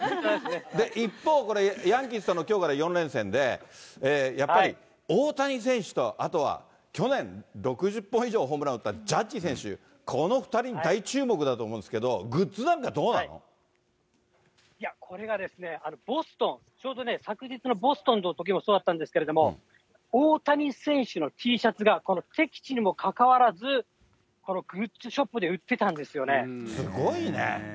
一方、これヤンキースとのきょうから４連戦で、やっぱり大谷選手と、あとは去年６０本以上、ホームランを打ったジャッジ選手、この２人に大注目だと思うんですけれども、グッズなんかどうなのいや、これがですね、ボストン、ちょうど昨日のボストンのときもそうだったんですけど、大谷選手のＴシャツがこの敵地にもかかわらず、グッズショップですごいね。